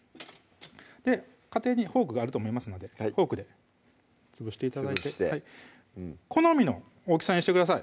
家庭にフォークがあると思いますのでフォークで潰して頂いて好みの大きさにしてください